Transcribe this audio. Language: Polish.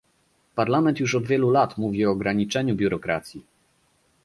Parlament już od wielu lat mówi o ograniczeniu biurokracji